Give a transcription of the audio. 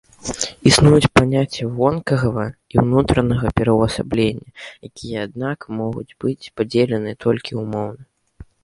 Існуюць паняцці вонкавага і ўнутранага пераўвасаблення, якія, аднак, могуць быць падзеленыя толькі ўмоўна.